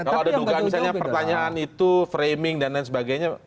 kalau ada dugaan misalnya pertanyaan itu framing dan lain sebagainya